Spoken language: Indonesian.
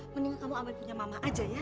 mendingan kamu abai punya mama aja ya